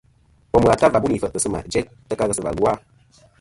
Bòm ghà ta wà bû nì fèʼtɨ̀ sɨ̂ mà jæ ta ka ghesɨ̀và lu a?